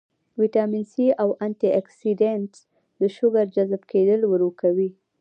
وټامن سي او انټي اکسيډنټس د شوګر جذب کېدل ورو کوي